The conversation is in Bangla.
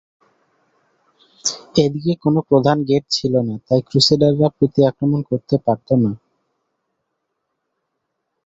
এদিকে কোনো প্রধান গেট ছিল না তাই ক্রুসেডাররা প্রতি আক্রমণ করতে পারত না।